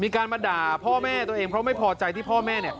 มีการมาด่าพ่อแม่ตัวเองเพราะไม่พอใจที่พ่อแม่